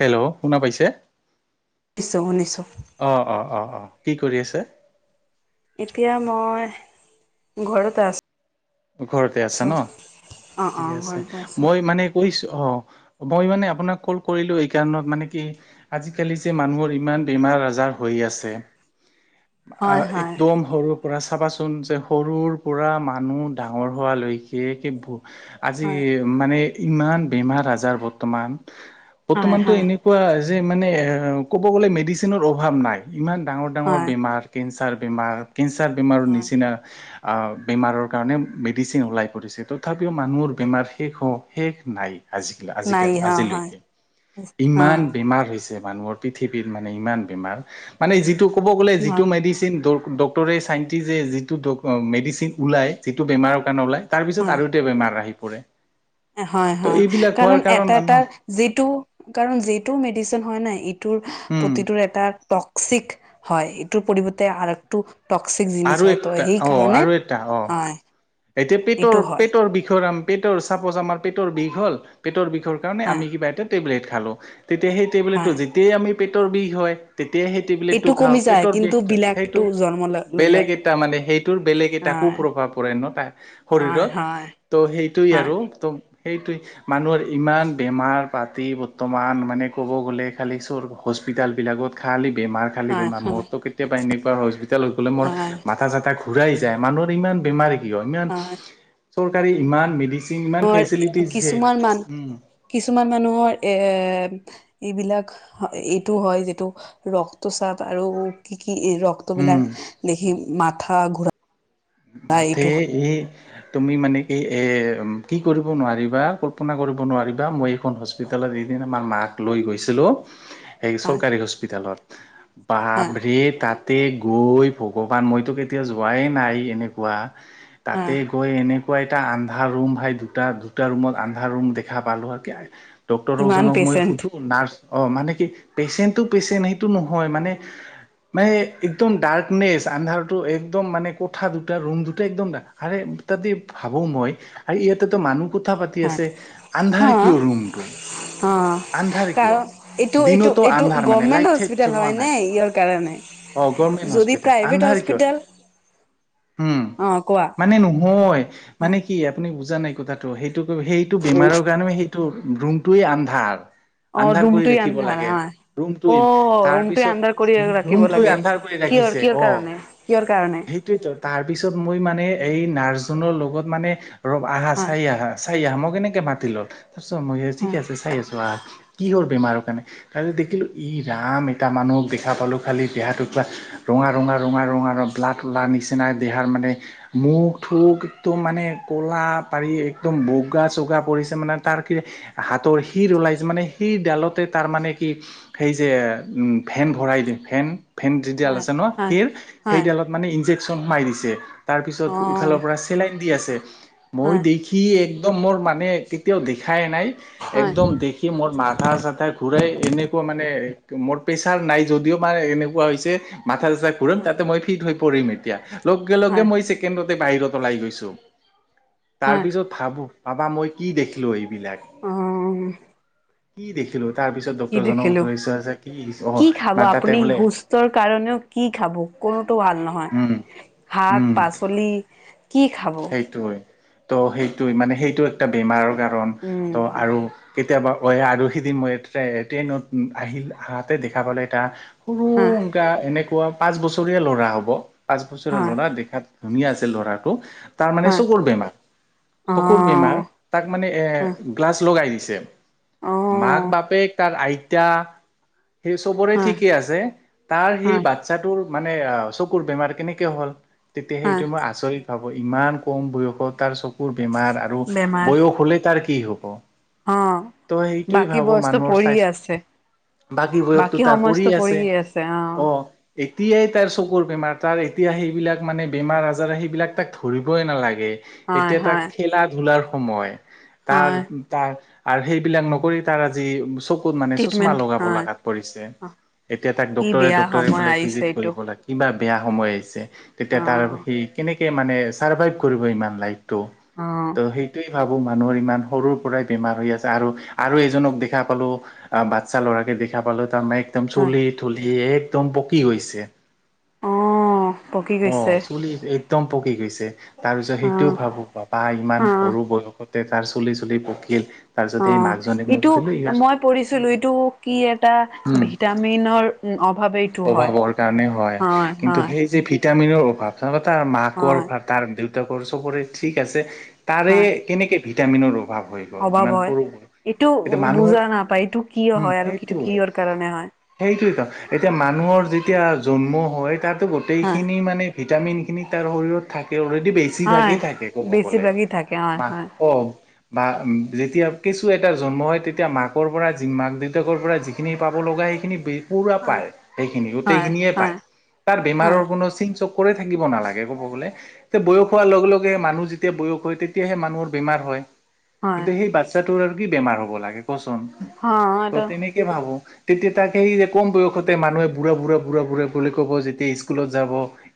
Hello শুনা পাইছে শুনিছোঁ শুনিছোঁ। অ, অ, অ, অ। কি কৰি আছে। এতিয়া মই ঘৰত আছো। ঘৰতে আছা ন অ', ঠিকে অ', আছে ঘৰতে আছোঁ। মই মানে কৈছো অ মই মানে আপোনাক কল কৰিলো এই কাৰত মানে কি আজিকালি যে মানুহৰ ইমান বে মাৰ আজাৰ হৈ আছে। আ হয়, হয়, একদম সৰুৰ পৰা চাবাচোন যে সৰুৰ পৰা মানুহ ডাঙৰ হোৱালৈকে কি আজি হয়, মানে ইমান বেমাৰ আজাৰ বৰ্তমান হয়, বৰ্তমানতো হয়, এনেকুৱা কিযে মানে কব গ'লে মেডিচিনৰ অভাৱ নাই ইমান ডাঙৰ ডাঙৰ হয়, বেমাৰ কে বেমাৰ কেঞ্চাৰ বেমাৰৰ হয়। নিচিনা বেমাৰৰ কাৰণে মেডিচিন ওলাই পৰিছে তথাপিও মানুহৰ বেমাৰ শেষ হ শেষ নাই। আজিকালি নাই আজিকাল হা হয়, আজিলৈকে ইমান অ', বেমাৰ হৈছে মানুহৰ। পৃথিৱীত মানে ইমান বেমাৰ মানে যিটো ক'ব গলে যিটো হয়, মেডিচিন ডক্টৰে চাইনটিচে যে যিটো মেডিচিন ওলাই যিটো বেমাৰৰ কাৰণে ওলায় তাৰ পিছত হয়। আৰু এতিয়া বেমাৰ আহি পৰে। হয়, ত' হয় এইবিলাক হোৱাৰ কাৰণ এটা এটা মানুহৰ যিটো কাৰণ যিটো মেডিচিন হয় না উম প্ৰতিটোৰ এটা টক্সিক হয় এইটোৰ পৰিৰ্তেটো টক্সিক আৰু জিনছ হয় ত একটা অ সেইকাৰণে আৰু এটা অ হয় এতিয়া এইটো পেটৰ হয়, পেটৰ বিষৰ আম পেটৰ চাপজ আমাৰ পেটৰ বিষ হ'ল পেটৰ বিষ হয়, আমি কিবা এটা তেবলেট খালো তেতিয়া সেই টেবলেটো হয়। যেতিয়াই আমি পেটৰ বিষ হয় তেতিয়া সেই তেবলেট এইটো টো খাওঁ কমি যায়, পেটৰ কিন্তু বিষটো বিলাকটো সেইটো জন্ম লৈ লয়, বেলেগ এটা মানে সেইটোৰ বেলেগ এটা কু হয়, প্ৰভাৱ পৰে ন। প হয়, হয়। শৰীৰত সেইটো হয় আৰু তম সেইটোে মানুহৰ ইমান বেমাৰ পাতি বৰ্তমান মানে ক'ব গ'লে খালি চ হস্পিতেল বিলাকত খাল বেমাৰ খালী হয় বেমাৰ হয় মোৰতো কেতিয়াবা এনেকুৱা হস্পিটেলত গ'লে মোৰ হয় মথা জাথা য মানুহৰ ইমান বেমাৰে কি হয় ই চৰ ই ম ৰ কিছুমান মান কিছুমান মানুহৰ এ এইবিলাক এইটো হয় যিটো ৰক্তচাপ আৰু কি কি এই উম ৰক্তবিলাক দেখি মথা ঘোৰা মতে এই তুমি মানে কি এ কি কৰিব নোৱাৰিবা কল্পনা কৰিব নোৱাৰিবা মই এইখন হস্পিতলত এদিন আমাৰ মাক লৈ গৈছিলো এই হয় চৰকাৰী হস্পিতালত হয় বভৰে তাতে গৈ ভগৱান মইতো কেতিয়া যোৱাই নাই এনেকুৱা হয় তাতে গৈ এনে এনেকুৱা এটা আন্ধা ৰুম ভাই দুটা দুটা ৰুমত আন্ধা ৰুম দেখা পালো আৰু ইমান ড্ক্তৰকজনক মই পেচেণ্ট সোধোঁ নাৰ্ছ অ মানে কি পেচেণ্টটো পেচেণ্ট সেইটো নহয় মানে মানে একদম ডাৰ্কনেচ আন্ধাৰটো একদম মান ক ক দুটা ৰুম দুটা একদম তাতে ভাবো মই আৰু ইয়াতেতো মানুহ কথা পাতি হয় আছে হা আন্ধাৰে কিয় ৰুমটো অ আন্ধাৰ কিয় কাৰণ এইটো এইটো দিনতো এইটো আন্ধাৰ মানে গভমেন্ট লাইট চাইট হস্পিতেল চলোৱা হয় নাই নে ইয়াৰ কাৰণে অ গভৰ্মেণ্ট যদি হস্পিতেেল প্ৰাইভেট আন্ধাৰ কিয় হস্পিতেল উম অ কোৱা মানে নহয় মানে কি আপুনি বুজা নাইকি কথাটো সেইটো সেইটো বেমাৰৰ কাৰণে সেইটো ৰুমটোৱেই আন্ধাৰ অ আন্ধাৰ কৰি ৰুমটোৱে ৰাখিব আন্ধাৰ লাগে হা ৰুমটো অ তাৰ ৰুমটোৱে পিছত আন্ধাৰ কৰি ৰাখিব ৰুমটো লাগে আন্ধাৰ কৰি কিহৰ ৰাখিছে কিহৰ অ কাৰণে কিহৰ কাৰণে সেইটোৱো তাৰপিছত মই মানে এই নাৰ্ছজনৰ লগত মানে ৰ আহা হয় চাই আহা চাই আহ মই কেনেকে মাতি ল'ল তাৰপিছ মই ঠিক হয় আছে চাই আছোঁ বা কিহ'ল বেমাৰৰ কাৰণে তাৰপছত দেখিলোঁ ই ৰাম এটা মানুহক দেখা পালোঁ খালি যিহেতু ৰঙা ৰঙা ৰঙা ৰঙা ৰ ব্লা লা নিচিনা দেহাৰ মানে মখ থ এক একম মানে ক'লা পাৰি একদম বগা চগা পৰিছে মানে তাৰ কি হাতৰ শিৰ ওলাইছো মানে শিৰ ডালতে তাৰ মানে কি সেই যে উম ভেন ভৰাই দি ভেন ফেন দি দিয়াল হয় আছে নহয় হয় সীৰ হয় সেইডালত মানে ইনজেক্যন সোমাই দিছে তাৰপিছত অ ইফালৰ পৰা চেেলাইন দি আছে মই হয় দেখি একদম মোৰ মানে কেতিয়াও দেখাই নাই হয় একদম দেখি মোৰ মাক চা চাহ ঘূৰাই এনেকুৱা মানে মোৰ প্ৰেছাৰ নাই যদিও মানে এনেকুৱা হৈছে মাথা ঘম তাতে মই ফিট হৈ পৰিম এতিয়া লগে লগে হয় মই ছেকেণ্ডতে বাহিৰত ওলাই গৈছোঁ হয় তাৰপিছত ভাবোঁ পাবা মই কি দেখিলো এইবিলাক অ কি দেখিলো তাৰপিছত কি ডক্তৰজনক দেখিলো সুধো কি অ কি খাব তাতে আপুনি বোলে সুস্থৰ কাৰণেও কি খাব কোনোতো ভাল নহয় উম শাক উম পাচলি কি খাব তো সেইটোৱ মানে সেইটো এটা বেমাৰৰ কাৰণ তো উম আৰু কেতিয়াবা আৰু সিদিন মই ট্ৰেইনত আহিল হাতে দেখা পালে এটা হয় সৰুকা এনেকুৱা পাঁচ বছৰীয়া ল'ৰা হ'ব পাঁচ বছৰীয়া হয় ল'ৰা দেখাত ধুনীয়া আছে ল'ৰাটো তাৰ মানে হয় চকুৰ বেমাৰ অ চকুৰ বেমাৰ তাক মানে হয় এ গ্লাছ লগাই দিছে অ মাক বাপেক তাৰ আইতা সেই চবৰে হয় ঠিকেই আছে তাৰ সেই হয় বাচ্ছাটোৰ মানে অ চকুৰ বেমাৰ কেনেকে হ'ল তেতিয়া হয় সেইটো মই আচৰিত ভাবো ইমান কম বয়সত তাৰ চকুৰ বেমাৰ আৰু বেমাৰ বয়স হলে তাৰ কি হ'ব অ তই সেইটোৱেই বাকী ভাবো বস্তু মানুহৰ পৰি আছে স্বাস্থ বাকী বয়সতো তাৰ পৰি আছে অ'। এতিয়াই তাৰ চকুৰ বেমাৰ তাৰ এতিয়া সেইবিলাক মানে বেমাৰ আজাৰ সেইবিলাক তাক ধৰিবই নালাগে হয় এতিয়া তাক হয় খেলা ধুলাৰ সময় তাৰ- হয় তাৰ আৰু সেইবিলাক নকৰি তাৰ আজি চকুত মানে চছমা ট্ৰিটমেণ্ট লগাব হয় লগাত পৰিছে। অ এতিয়া তাক কি বেয়া ডক্তৰে-ডক্তৰে সময় বোলে আহিছে ভিজিট এইটো কৰিব লাগ কিবা বেয়া সময় আহিছে, অ তেতিয়া তাৰ সি কেনেকে মানে চাৰভাইভ কৰিব ইমান টাইম। অ ত সেইটোৱে ভাবো মানুহৰ ইমান সৰুৰ পৰাই বেমাৰ হৈ আছে আৰু- আৰুএজনক দেখা পালো আ বাচ্ছা ল'ৰাকে দেখা পালো তাৰমানে একদম হয় চুলি তুলি একদম পকি গৈছে। অ পকি গৈছে অ' চুলি একদম পকি গেছ চে তাৰ পিছত অ সেইটোও ভাবো বাবা ইমান অ সৰু বয়সতে তাৰ চুলি- চুলি পকিল। তাৰপিছত সেই অ' মাকজনীক মই ইটো সুধিলো ইয়াৰ মই পঢ়িছিলো ইটো কি এটা উম ভিটামিনৰ অভাৱে অভাৱৰ কাৰণে হয়, কিন্তু সেই যে ভিটামিনৰ অভাৱ তাৰ মাকৰ হয় তাৰ দেউ তাকৰ চবৰে ঠিক আছে তাৰে হয় কেনেকে ভিটামিনৰ অভাৱ। হৈ গ'ল অভাৱ ইমান হয় সৰু, এইটো এতিয়া মানুহৰ বুজা নাপায় এইটো কিয় উম, হয় আৰু সেইটো কিটো হয়। কিহৰ কাৰণে হয় সেইটোৱেতো, এতিয়া মানুহৰ যেতিয়া জন্ম হয় তাত হয় গোটেইখিনি মানে ভিটামিনখিনি তাৰ শৰীৰত থাকে সেইটো হয় বেছিভাগেই থাকে ক'ব গ'লে, বেছিভাগেই থাকে হয় মাক, হয় অ'। বা যেতিয়া কেঁচুৱা এটা জন্ম হয় তেতিয়া মাকৰ পৰা মাক দেউতাকৰ পৰা যিখিনি পাব লগা সেইখিনি পুৰা সেইখিনি গোটেই হয় খিনিয়ে হয় পায়, তাৰ হয় বেমাৰৰ কোনো চিন চ কৰে থাকিব নালাগে ক'ব গ'লে তে বয়স হোৱাৰ লগে-লগে মানুহ যেতিয়া বয়স হয়, তেতিয়াহে মানুহৰ বেমাৰ হয়। হয় কিন্তু সেই বাচ্ছাটোৰ আৰু কি বেমাৰ হ'ব লাগে কোৱাচোন হয় ত' তেনেকে ভাবো। তেতিয়া তাক সেই কম বয়সতে মানুহ বুঢ়া বুঢ়া-বুঢ়া-বুঢ়া বুলি ক'ব যেতিয়া স্কুলত যাব।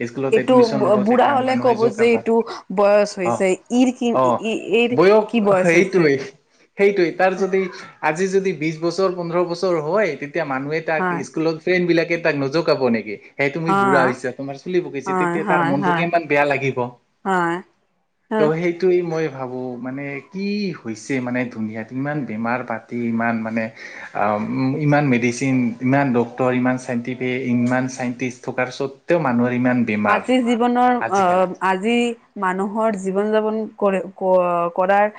স্কুলত এইটো এইটো এডমিশন ল'ব বুঢ়া তেতিয়া হলে মানুহে ক'ব যে জোকাব, এইটো বয়স অ'- হৈছে ইৰ কি অ'। ইৰ বয়স কি হৈছে সেইটোৱেই- সেইটোৱেই তাৰ যদি আজি যদি বিছবছৰ পোন্ধৰ বছৰ হয় তেতিয়া মানুহে তাক হয় স্কুলত ফ্ৰেণ্ড বিলাকে তাক নুজোকাব নেকি। এই তুমি বুঢ়া হয় হৈছা তোমাৰ চুলি পকিছে হয় তেতিয়া তাৰ হয় মনটো হয় কিমান বেয়া লাগিব। হয় হয় ত' সেইটোয়ে মই ভাবোঁ মানে কি হৈছে মানে দুনীয়াত ইমান বেমাৰ পাতি ইমান মানে আ ইমান মেডিচিন ইমান ড ত' ইমান চাইণ্টিফিক ইমান চাইন্তিষ্ট থকাৰ স্বতেওঁ মানুহে আজিৰ জীৱনৰ আ আজি মানুহৰ জীৱন যাপন কৰে কৰাৰ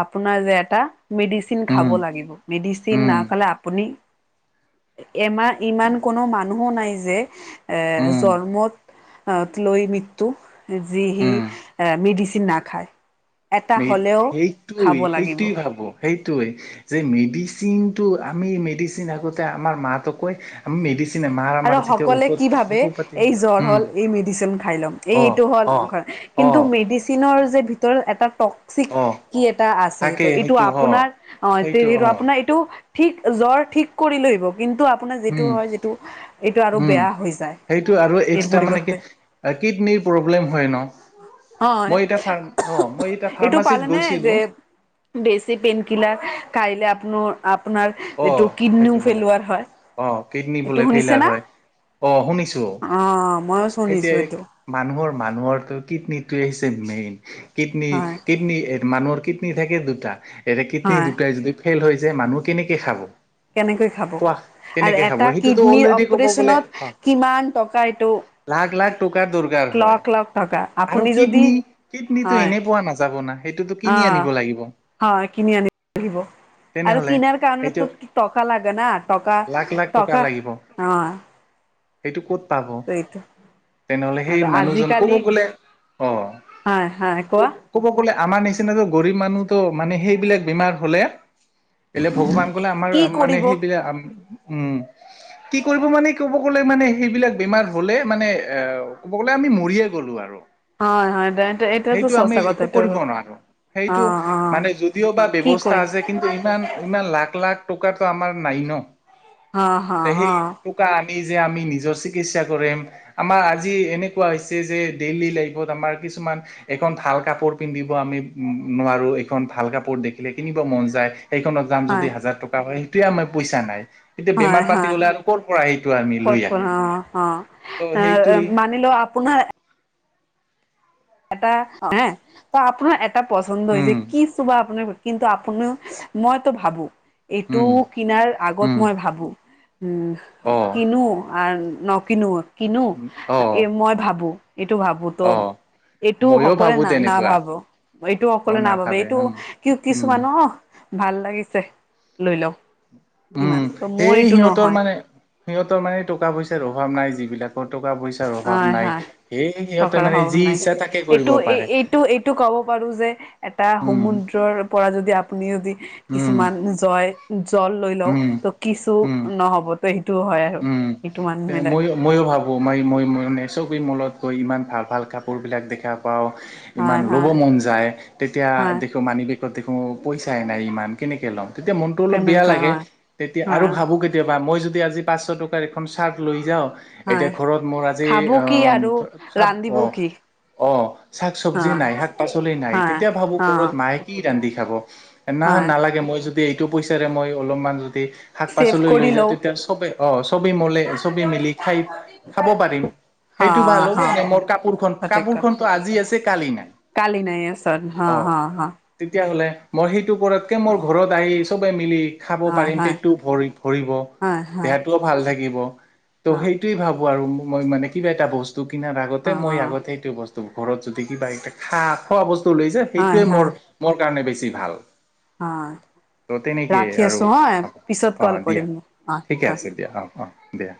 আপোনাৰ যে এটা মেডিচিন খাব উম লাগিব, মেডিচিন উম নাখালে আপুনি এমা ইমান কোনো মানুহো নাই যে এ উম জন্মত অ লৈ মৃত্যু যি এ উম মেডিচিন নাখায়। এটা মে হ'লেও সেইটোৱে খাব লাগিব সেইটোই ভাবো। সেইটোৱে যে মেডিচিনটো আমি মেডিচিন আগতে আমাৰ মাটো কয় আমি মেডিচিন আৰু সকলোৱে কি ভাবে এই হয় জ্বৰ উম হ'ল এই মেডিচিন খাই ল'ম, এই অ এইটো হ'ল অ অ কিন্তু মেডিচিনৰ যে ভিতৰত এটা টক্সিক অ কি এটা আছে, থাকে এইটো সেইটো অ আপোনাৰ অ এটো আপোনাৰ এইটো ঠিক জ্বৰ ঠিক কৰি লৈ আহিব কিন্তু আপোনাৰ যিটো উম হয় যিটো এইটো আৰু উম, বেয়া হৈ যায়। সেইটো আৰু ইয়াৰ এক্সট্ৰা মানে কি পৰিৱৰ্তে কিডনীৰ প্ৰব্লেম হয় ন। হয় মই এতিয়া ফাৰ্ম অ' মই এতিয়া এইটো ফাৰ্মাচীত পালেনে যে গৈছিলো বেছি পেইনকিলাৰ খাইলে আপনৰ আপোনাৰ অ এইটো সেইটো কিডনীও বোলে ফেলুৱাৰ হয়। অ কিডনী এইটো বোলে শুনিছে ফেইলাৰ না? হয়, অ' শুনিছো। অ' ময়ো শুনিছো এতিয়াই এইটো মানুহৰ মানুহৰটো কিডনীত মেইন কিডনী হয় কিডনী মানুহৰ কিডনী থাকে দুটা এয়া কিডনী হয় দুটাই যদি ফেইল হৈ যায় মানুহ কেনেকৈ খাব কেনেকৈ খাব খোৱা আৰু কেনেকে খাব এটা সেইটোতো কিডনীৰ অলৰেডি ক'ব গ'লে অপাৰচনত অ কিমান টকা এইটো লাখ লাখ টকাৰ দৰকাৰ হয় লাখ লাখ টকা আৰু আপুনি যদি কিডনী কিডনীটো হয় এনে পোৱা নাযাব না সেইটোতো অ কিনি আনিব লাগিব হয় কিনি আন লাগিব আৰু তেনেহলে কিনাৰ সেইটো কাৰণেো টকা লাগে ন টকা লাখ লাখ টকা লাগিব অ সেইটো ক'ত পাব এইটো তেনেহলে সেই আৰু মানুহজন কব আজিকালি গলে অ হয় হয় ক কোৱা কব গলে আমাৰ নিচিনাাতটো গৰীব মানুহতো মানে সেইবিলাক বেমাৰ হ'লে এলে ভগৱান গলে আমাৰ কি মানে কৰিব সেইবিলাক উম কি কৰিব মানে ক'ব গলে মানে সেইবিলাক বেমাৰ হলে মানে এ ক'ব গলে আমি মৰিয়ে গ'লো আৰু অ হয় দে সেইটো আমি একো কৰিব নোৱাৰো অ সেইটো অ মানে যদিও বা কি ব্য্ৱস্থা কৰি আছে কিন্তু ইমান ইমান লাখ লাখ টকাটো আমাৰ নাই ন অ অ সেই অ কা আমি আমি যে আমি নিজৰ চিকিৎসা কৰিম আমাৰ আজি এনেকুৱা হৈছে যে ডেইলী লাইফত আমাৰ কিছুমান এখন ভাল কাপোৰ পিন্ধিব আমি উ নোৱাৰো এইখন ভাল কাপোৰ দেখিলে কিনিব মন যায় সেইখনত যাম যদি হয় হাজাৰ টকা হয় সেইটোৱে আমাৰ পইচা নাই এতিয়া হয় বেমাৰ পাতি হয় হলে আৰু কৰৰ পৰা সেইটো আমি লৈ আহিম ত' এ সেইটোৱেই মানি লও আপোনাৰ এটা হ ত আপোনাৰ এটা পচন্দ হৈছে উম কি চোবা আপোনাৰ কিন্তু আপুাৰ মইতো ভাবো এইটো উম কিনাৰ উম আগত মই ভাবো উ অ কিনো আৰু নকিনো কিনো অ এই মই ভাবো এইটো ভাবো তো অ এইটো ময়ো সকলোৱে ভাবো না তেনেকুৱা নাভাবো এইটো অ সকললে নাভাবে এইটো উম কি উম কিছুমান ভাল লাগিছে লৈ লও উম ইমান ত মোৰ সেই এইটো সিহঁতৰ নহয় মানে সিহঁতৰ মানে টকা পইচাৰ অভাৱ নাই যিবিলাকত টকা পইচাৰ অভাৱ হয় নাই হয় সেই সিহঁতে থকাৰ মানে সম্ভাৱ যি নাই। ইচ্ছা তাকে এইটো কৰিব এই পাৰে এইটো এইটো ক'ব পাৰো যে এটা উম সমুদ্ৰৰ পৰা যদি আপুনি যদি উম কিছুমান জয় জল লৈ লও উম ত' কিছু উম নহ'ব সেইটো হয় আৰু উম সেইটো মানুহ বিলাক মইো মইো ভাবো মাৰ মই নেচকী মলত গৈ ইমান ভাল ভাল কাপোৰবিলাক দেখা হয় হয় [unintelligible] হয় দেখো পইচাই নাই ইমান কেনেকে ল'ম তেতিয়া মনতটো অলপ বেয়া তেনেকুৱা লাগে হয় তেতিয়া আৰু হয় ভাবো কেতিয়াবা মই যদি আজি পাঁচশ টকাৰ এখন চাৰ্ট লৈ যাওঁ হয় এতিয়া ঘৰত মোৰ আজি খাব কি আহ আৰু খাব ৰান্ধিব অ কি অ শাক হা চবজি নাই শাক পাচলি নাই হয় তেতিয়া ভাবো অ কৰৰত মাহে কি কান্ি খাব নয় হয় নালাগে মই যদি এইটো পইচাৰে মই অলপমান শাক ছেভ পাচলি কৰি লৈ যা লওঁ তেতিয়া চবেই অ ছবি মলে ছবি মিলি খাই খাব পাৰিম হা সেইটো ভাল হ'ব হা মানে মোৰ কাপোৰখন কাপোৰ খতো আজি আছে কালি নাই কাল নাই আ চ হা অ', হা হা তেতিয়াহ'লে মই সেইটো পৰতকে মোৰ ঘৰত আহি চবে মিলি খাব হয় পাৰিম হয় পেটটো ভৰি ভৰিব হয় হয় দেহাটোও ভাল থাকিব ত' হয় সেইটোয়ে ভাবো আৰু মই মানে কিবা এটা বস্তু বস্তু কিনাৰ অ আগতে মই আগতে এইটো বস্তু ঘৰত যদি কিবা এটা খা খোৱা বস্তু ল হয় সেইটোোৱে মোৰ মোৰ কাৰণে বেছি ভাল হ ত' তেনেকেই ৰাখি আৰু আছো হা পিছত অ', কল দিয়া কৰিম অ ঠিকে আছে দিয়া অ অ দিয়া